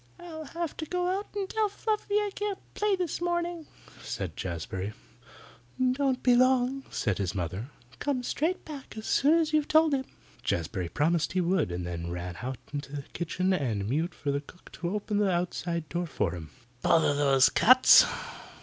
"I'll have to go out and tell Fluffy I can't play this morning," said Jazbury. "Don't be long," said his mother. "Come straight back as soon as you have told him." Jazbury promised he would, and then he ran out into the kitchen and mewed for the cook to open the outside door for him. "Bother those cats!"